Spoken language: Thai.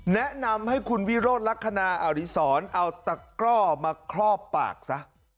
แนะนำให้คุณวิโรธลักษณะอดีศรเอาตะกร่อมาครอบปากซะ